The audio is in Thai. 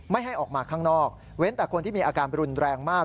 ไม่ให้ออกมาข้างนอกเว้นแต่คนที่มีอาการรุนแรงมาก